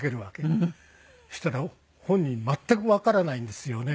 そしたら本人全くわからないんですよね。